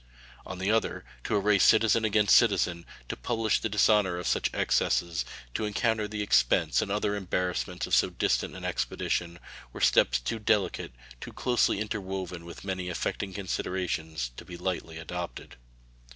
On the other, to array citizen against citizen, to publish the dishonor of such excesses, to encounter the expense and other embarrassments of so distant an expedition, were steps too delicate, too closely interwoven with many affecting considerations, to be lightly adopted.